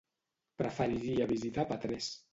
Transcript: Preferiria visitar Petrés.